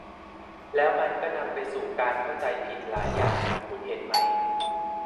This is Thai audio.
แล้วมันก็นำไปสู่การเข้าใจผิดหลายอย่าง คุณเห็นไหม